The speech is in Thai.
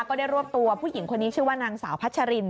ก็ได้รวบตัวผู้หญิงคนนี้ชื่อว่านางสาวพัชริน